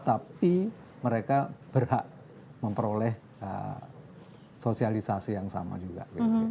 tapi mereka berhak memperoleh sosialisasi yang sama juga